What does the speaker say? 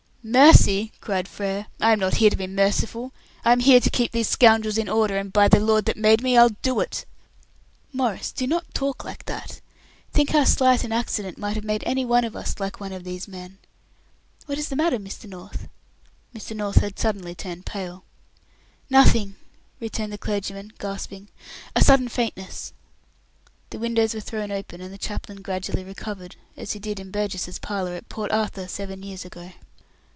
"Mercy!" cried Frere. "I am not here to be merciful; I am here to keep these scoundrels in order, and by the Lord that made me, I'll do it!" "Maurice, do not talk like that. Think how slight an accident might have made any one of us like one of these men. What is the matter, Mr. North?" Mr. North has suddenly turned pale. "Nothing," returned the clergyman, gasping "a sudden faintness!" The windows were thrown open, and the chaplain gradually recovered, as he did in Burgess's parlour, at Port Arthur, seven years ago.